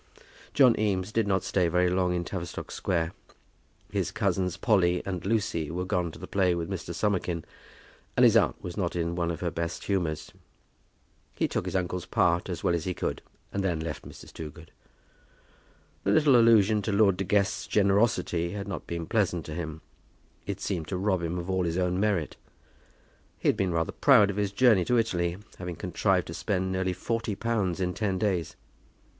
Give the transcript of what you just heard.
John Eames did not stay very long in Tavistock Square. His cousins Polly and Lucy were gone to the play with Mr. Summerkin, and his aunt was not in one of her best humours. He took his uncle's part as well as he could, and then left Mrs. Toogood. The little allusion to Lord De Guest's generosity had not been pleasant to him. It seemed to rob him of all his own merit. He had been rather proud of his journey to Italy, having contrived to spend nearly forty pounds in ten days.